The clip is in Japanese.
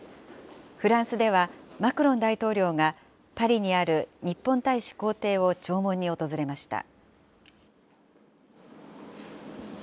フランスではマクロン大統領がパリにある日本大使公邸を弔問に訪れました。